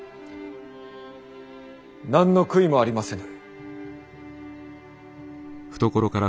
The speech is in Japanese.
何の悔いもありませぬ。